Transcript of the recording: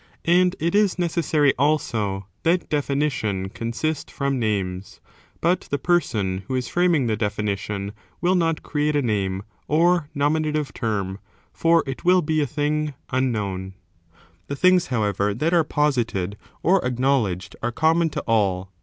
And it is necessary, also, that definition consist from names ; but the person who is framing the definition will not create a name or nominative term, for it will be a thing unknown. The things, however, that are posited or acknowledged are common to all.